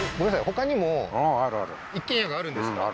他にも一軒家があるんですか？